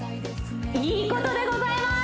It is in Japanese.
いいことでございます！